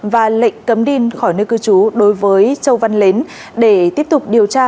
và lệnh cấm điên khỏi nơi cư trú đối với châu văn lến để tiếp tục điều tra